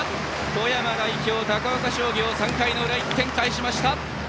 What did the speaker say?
富山代表、高岡商業３回の裏、１点を返しました。